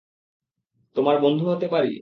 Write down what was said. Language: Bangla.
তোমার বন্ধু হতে পারি?